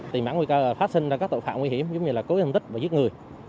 tìm bản nguy cơ là phát sinh ra các tội phạm nguy hiểm giống như là cố hiểm tích và giết người